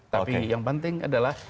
tapi yang penting adalah